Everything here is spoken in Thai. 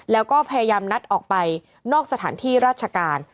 แล้วก็พยายามนัดออกไปนอกสถานที่ราชการ